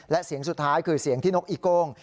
และเสียงสุดท้ายคือเสียงที่นกอีโก้ง